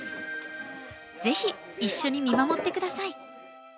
ぜひ一緒に見守って下さい。